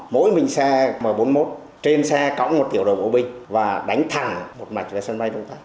mỗi mình xe m bốn mươi một trên xe cõng một tiểu đội bộ binh và đánh thẳng một mạch về sân bay đông tát